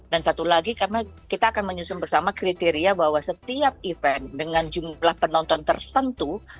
dan satu lagi karena kita akan menyusun bersama kriteria bahwa setiap event dengan jumlah penonton tersentuh